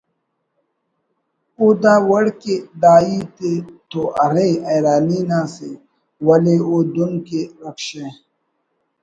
او دا وڑ کہ داہیت تو ارے حیرانی نا سے ولے او دن کہ رکشہ